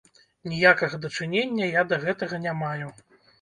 Ніякага дачынення я да гэтага не маю.